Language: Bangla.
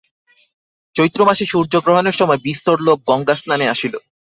চৈত্র মাসে সূর্যগ্রহণের সময় বিস্তর লোক গঙ্গাস্নানে আসিল।